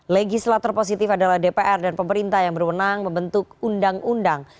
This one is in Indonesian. legislator positif adalah dpr dan pemerintah yang berwenang membentuk undang undang